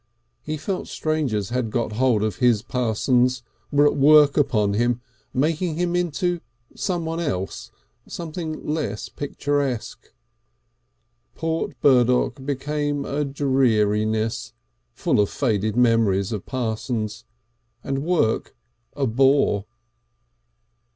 He felt strangers had got hold of his Parsons, were at work upon him, making him into someone else, something less picturesque.... Port Burdock became a dreariness full of faded memories of Parsons and work a bore.